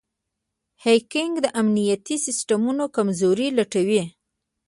هیکنګ د امنیتي سیسټمونو کمزورۍ لټوي.